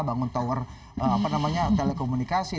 bangun tower telekomunikasi